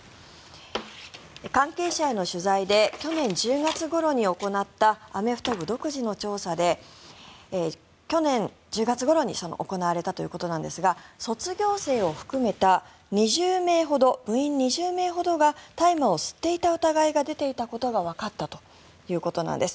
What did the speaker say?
関係者への取材で去年１０月ごろに行ったアメフト部独自の調査で去年１０月ごろに行われたということなんですが卒業生を含めた部員２０名ほどが大麻を吸っていた疑いが出ていたことがわかったということなんです。